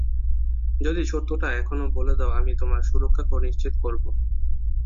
যদি সত্যিটা এখনও বলে দাও আমি তোমার সুরক্ষা নিশ্চিত করব।